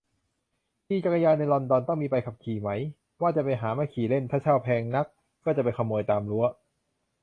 ขี่จักรยานในลอนดอน ต้องมีใบขับขี่ไหม ว่าจะไปหามาขี่เล่น ถ้าเช่าแพงนัก ก็จะไปขโมยตามรั้ว